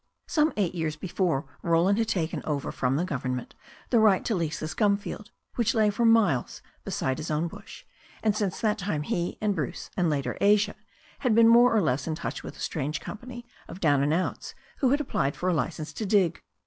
Some eight years before Roland had taken over from the government the right to lease this gum field, which lay for miles beside his own bush, and since that time he and Bruce, and later Asia, had been more or less in touch with the strange company of down and outs who had applied for a licence to dig.